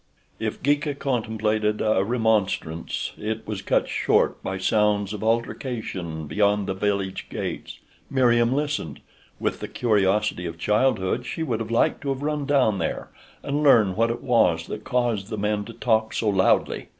If Geeka contemplated a remonstrance it was cut short by sounds of altercation beyond the village gates. Meriem listened. With the curiosity of childhood she would have liked to have run down there and learn what it was that caused the men to talk so loudly.